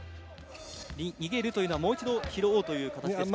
逃げるというのはもう一度拾うという形ですか？